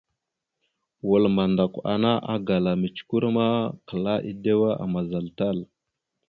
Wal mandakw ana agala mʉcəkœr ma klaa edewa amaza tal.